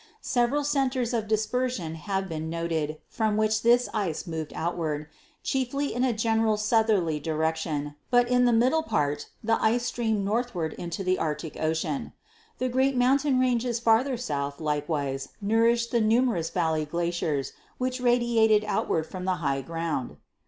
Several centers of dispersion have been noted from which this ice moved out ward, chiefly in a general southerly direction, but in the middle part the ice streamed northward into the Arctic Ocean. The great mountain ranges farther south likewise nourished numerous valley glaciers, which radiated out ward from the high ground.